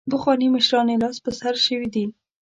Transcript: پخواني مشران یې لاس په سر شوي دي.